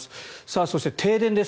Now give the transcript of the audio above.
そして停電です。